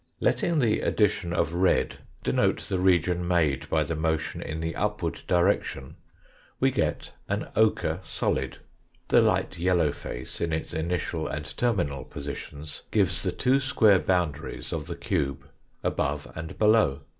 Letting the addition of red denote the region made by the motion in the upward direction we get an ochre solid. The light yellow face in its initial and terminal positions give the two square boundaries of the cube above and below.